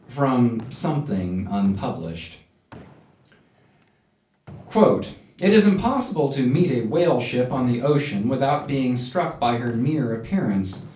—From "Something" unpublished. "It is impossible to meet a whale ship on the ocean without being struck by her near appearance.